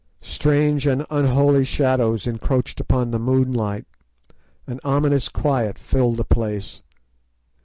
Strange and unholy shadows encroached upon the moonlight, an ominous quiet filled the place.